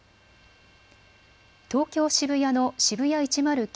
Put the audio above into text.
東京渋谷のＳＨＩＢＵＹＡ１０９